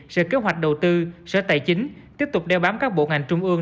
sở kế hoạch đầu tư sở tài chính tiếp tục đeo bám các bộ ngành trung ương